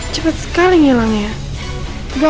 cepet sekali ngilangnya